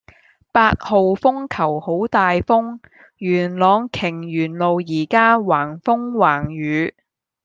八號風球好大風，元朗瓊園路依家橫風橫雨